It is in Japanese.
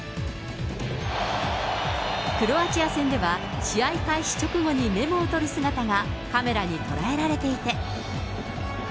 クロアチア戦では、試合開始直後にメモを取る姿がカメラに捉えられていて。